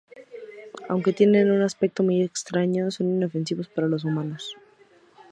Aunque tienen un aspecto muy extraño, son inofensivos para los humanos.